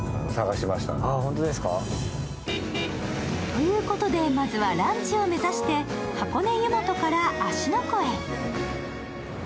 ということでまずはランチを目指して箱根湯本から芦ノ湖へ。